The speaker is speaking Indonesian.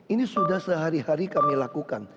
ini sudah sehari hari kami lakukan